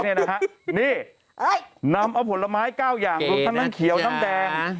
นี่นำผลไม้๙อย่างลูกขนาดเขียวน้ำแดง